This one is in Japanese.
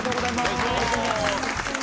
よろしくお願いします。